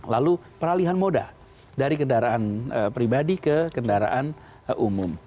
lalu peralihan moda dari kendaraan pribadi ke kendaraan umum